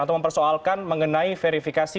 atau mempersoalkan mengenai verifikasi